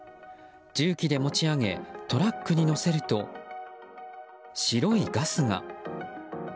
重機で持ち上げトラックに乗せると白いガスが。